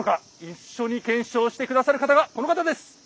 一緒に検証して下さる方がこの方です。